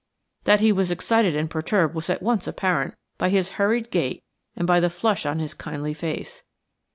That he was excited and perturbed was at once apparent by his hurried gait and by the flush on his kindly face.